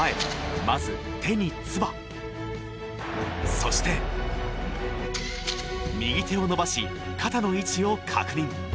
そして右手を伸ばし肩の位置を確認。